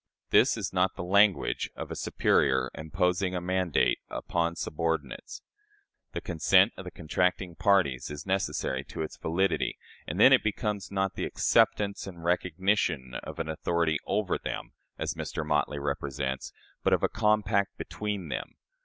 This is not the "language" of a superior imposing a mandate upon subordinates. The consent of the contracting parties is necessary to its validity, and then it becomes not the acceptance and recognition of an authority "over" them as Mr. Motley represents but of a compact between them.